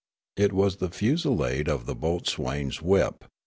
It was the fusillade of the boat swain's whip.